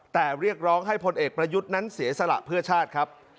แต่เรียกร้องให้พลเอกประยุทธ์นั้นเสียสละเพื่อชาติครับ